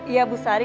iya bu sari